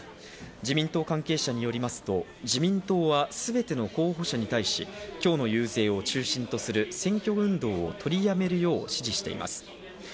自民党関係者によりますと自民党はすべての候補者に対し、今日の遊説を中心とする選挙運動を取り止めとすると発表しています。